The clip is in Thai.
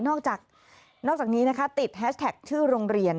นอกจากนอกจากนี้นะคะติดแฮชแท็กชื่อโรงเรียน